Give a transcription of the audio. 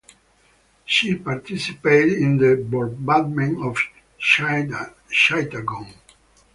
She participated in the bombardment of Chittagong.